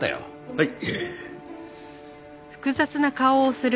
はい。